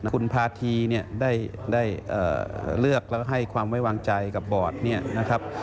คุณพาธีได้เลือกแล้วให้ความไว้วางใจกับบอร์ด